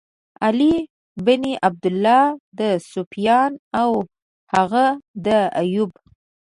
علی بن عبدالله، د سُفیان او هغه د ایوب.